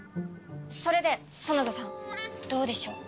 それでソノザさんどうでしょう？